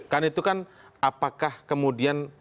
kan itu kan apakah kemudian